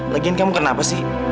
lagian kamu kenapa sih